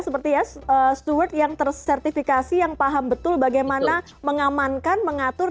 seperti ya steward yang tersertifikasi yang paham betul bagaimana mengamankan mengatur